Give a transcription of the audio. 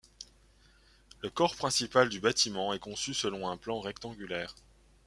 Le corps principal du bâtiment est conçu selon un plan rectangulaire.